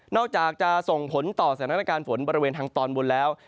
อกจากจะส่งผลต่อสถานการณ์ฝนบริเวณทางตอนบนแล้ว